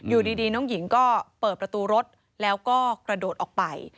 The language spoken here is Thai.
อยู่ดีน้องหญิงก็เปิดประตูรถแล้วก็กระโดดออกไป